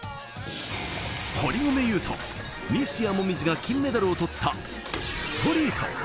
堀米雄斗、西矢椛が金メダルを取ったストリート。